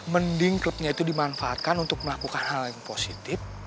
mending klubnya itu dimanfaatkan untuk melakukan hal yang positif